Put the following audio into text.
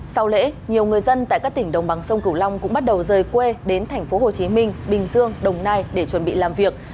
sau lễ nhiều người dân tại các tỉnh đồng bằng sông cửu long cũng bắt đầu rời quê đến thành phố hồ chí minh bình dương đồng nai để chuẩn bị làm việc